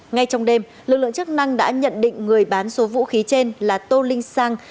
ngay trong đêm lực lượng chức năng đã nhận định người bán số vũ khí trên là tô linh sang